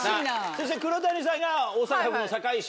そして黒谷さんが大阪府の堺市。